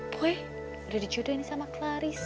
boy udah di jodohin sama clarissa